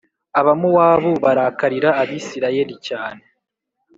Abamowabu barakarira Abisirayeli cyane